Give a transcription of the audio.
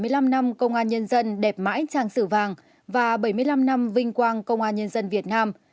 bảy mươi năm năm công an nhân dân đẹp mãi trang sử vàng và bảy mươi năm năm vinh quang công an nhân dân việt nam